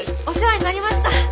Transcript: お世話になりました。